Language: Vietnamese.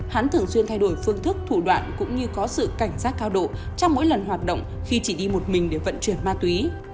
hắn thường xuyên thay đổi phương thức thủ đoạn cũng như có sự cảnh giác cao độ trong mỗi lần hoạt động khi chỉ đi một mình để vận chuyển ma túy